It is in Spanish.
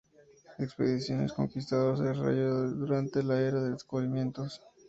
Expediciones: Conquistador se desarrolla durante la Era de los Descubrimientos.